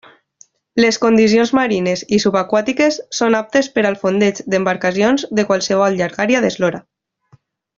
Les condicions marines i subaquàtiques són aptes per al fondeig d'embarcacions de qualsevol llargària d'eslora.